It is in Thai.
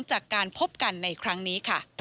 จากการพบกันในครั้งนี้ค่ะ